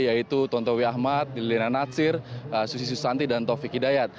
yaitu tontowi ahmad lilina natsir susi susanti dan taufik hidayat